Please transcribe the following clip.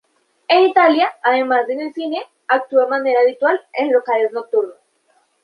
En Italia, además de en el cine, actuó de manera habitual en locales nocturnos.